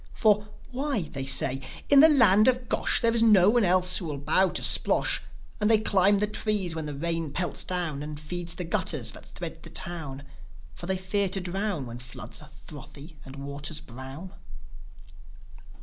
For, "Why," they say, " in the land of Gosh There is no one else who will bow to Splosh. And they climb the trees when the rain pelts down And feeds the gutters that thread the town; For they fear to drown, When floods are frothy and waters brown."